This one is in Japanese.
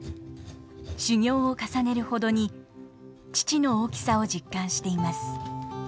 修業を重ねるほどに父の大きさを実感しています。